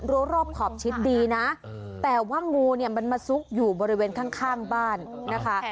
รอบขอบชิดดีนะแต่ว่างูเนี่ยมันมาซุกอยู่บริเวณข้างบ้านนะคะ